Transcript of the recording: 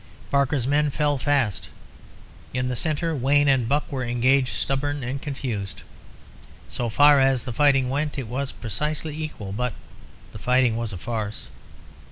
Barker's men fell fast. In the centre Wayne and Buck were engaged, stubborn and confused. So far as the fighting went, it was precisely equal. But the fighting was a farce.